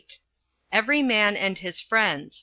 Every Man and his Friends.